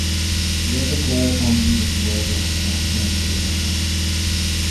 L'avocat tendit le doigt vers un coin sombre de la chambre.